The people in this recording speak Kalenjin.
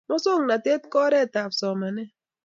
Musongnotet ko oret ab somanet